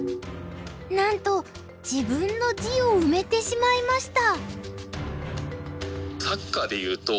なんと自分の地を埋めてしまいました。